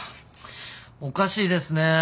おかしいですね。